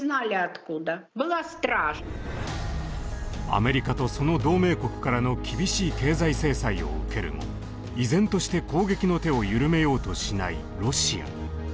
アメリカとその同盟国からの厳しい経済制裁を受けるも依然として攻撃の手を緩めようとしないロシア。